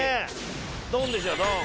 ドンでしょドン。